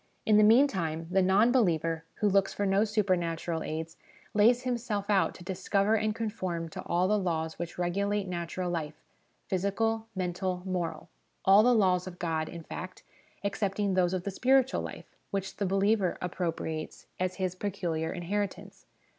In the meantime, the non believer, who looks for no supernatural aids, lays himself out to discover and conform to all the laws which regulate natural life physical, mental, moral ; all the laws of God, in fact, excepting those of the spiritual life which the believer appropriates as his peculiar inheritance.